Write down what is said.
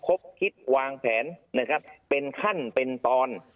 คบคิดวางแผนเป็นขั้นเป็นตอน